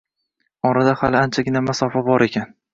Orada hali anchagina masofa bor ekan